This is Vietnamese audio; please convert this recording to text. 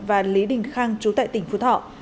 và lý đình khang chú tại tỉnh phú thọ